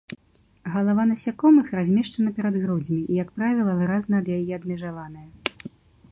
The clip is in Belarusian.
Галава насякомых размешчана перад грудзьмі і, як правіла, выразна ад яе адмежаваная.